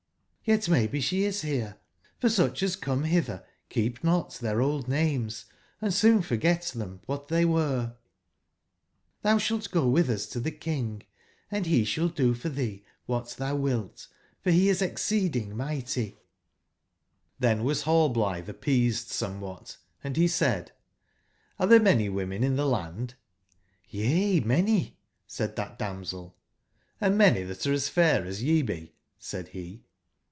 Y^t maybe sbe is bere. for sucb as come bitber keep not tbeir old names, and soon forget tbem wbat tbey were. Tbou sbalt go witb us to tbe King, and be sball do for tbee wbat tbou wilt; for be is exceeding migbty "j^Tben was Rallblitbe appeased somewbat; and be said: ''Hre tbere many women in tbe land?'' J^''Y^^» many/' saidtbatdamselj^'^Hndmanytbatareasfairasye be?" said be.